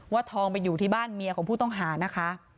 ทองไปอยู่ที่บ้านเมียของผู้ต้องหานะคะ